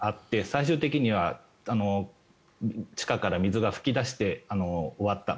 最終的には地下から水が噴き出して終わった。